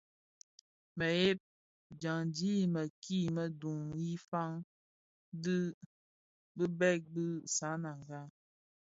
Mëdheb: dyandi i kimii bi duň yi fan dhi bibek bi Sananga.